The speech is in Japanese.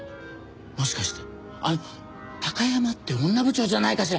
もしかしてあの山って女部長じゃないかしら？